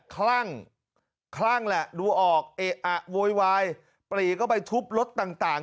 คลั่งคลั่งแหละดูออกเอ๊ะอะโวยวายปรีเข้าไปทุบรถต่าง